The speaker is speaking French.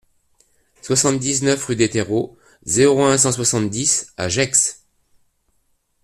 soixante-dix-neuf rue des Terreaux, zéro un, cent soixante-dix à Gex